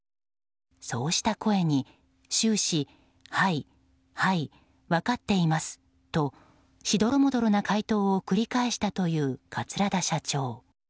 そうした声に、終始はい、はい、分かっていますとしどろもどろな回答を繰り返したという桂田社長。